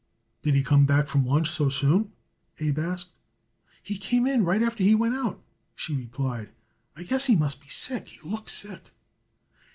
"Did he come back from lunch so soon?" Abe asked. "He came in right after he went out," she replied. "I guess he must be sick. He looks sick."